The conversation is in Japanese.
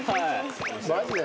マジで？